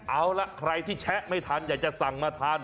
เอาล่ะใครที่แชะไม่ทันอยากจะสั่งมาทาน